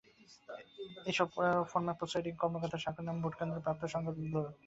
এসব ফরমে প্রিসাইডিং কর্মকর্তার স্বাক্ষর, নাম, ভোটকেন্দ্র, প্রাপ্ত ভোটসংখ্যাসংবলিত বিভিন্ন তথ্য রয়েছে।